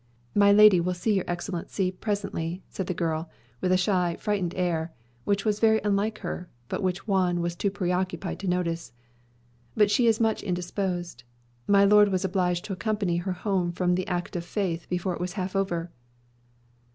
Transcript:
"My lady will see your Excellency presently," said the girl, with a shy, frightened air, which was very unlike her, but which Juan was too preoccupied to notice. "But she is much indisposed. My lord was obliged to accompany her home from the Act of Faith before it was half over."